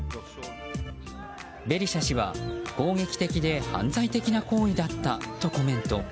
ベリシャ氏は攻撃的で犯罪的な行為だったとコメント。